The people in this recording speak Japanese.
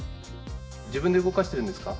自分で動かしてるんですか？